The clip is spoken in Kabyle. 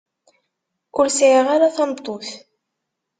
Ur sɛiɣ ara tameṭṭut.